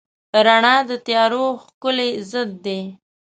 رڼا د تیارو ښکلی ضد دی.